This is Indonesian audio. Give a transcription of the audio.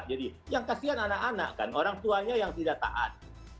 jadi yang kasihan anak anak kan orang tuanya yang tidak taat